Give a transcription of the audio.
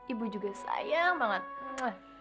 ibu juga sayang banget